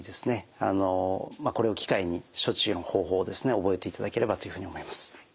これを機会に処置の方法を覚えていただければというふうに思います。